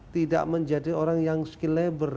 tidak menjadi orang yang skill labor